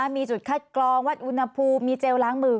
มีจุดคัดกรองวัดอุณหภูมิมีเจลล้างมือ